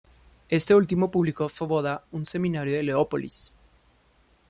Este último publicó "Svoboda", un semanario de Leópolis.